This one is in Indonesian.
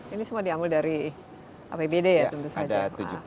ini semua diambil dari apbd ya tentu saja